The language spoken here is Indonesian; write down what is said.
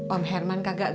om herman kagak ngerasain